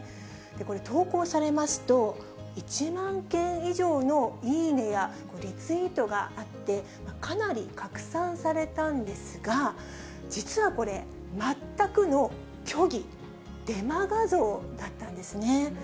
これ、投稿されますと、１万件以上のいいねやリツイートがあって、かなり拡散されたんですが、実はこれ、全くの虚偽、デマ画像だったんですね。